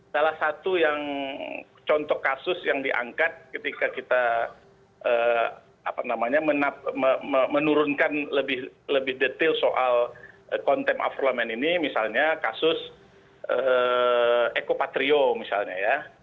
salah satu yang contoh kasus yang diangkat ketika kita menurunkan lebih detail soal konten afrlamen ini misalnya kasus ekopatrio misalnya ya